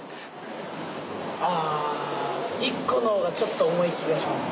ああ１個の方がちょっと重い気がします。